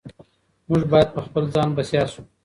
موږ باید په خپل ځان بسیا شو.